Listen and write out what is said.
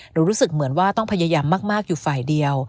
รู้สึกเหมือนว่าต้องพยายามมากอยู่ฝ่ายเดียว